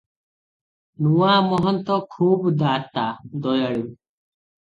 ନୂଆ ମହନ୍ତ ଖୁବ୍ ଦାତା, ଦୟାଳୁ ।